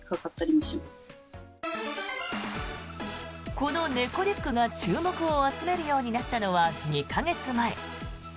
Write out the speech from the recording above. この猫リュックが注目を集めるようになったのは２か月前。